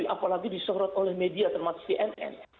apalagi disorot oleh media termasuk cnn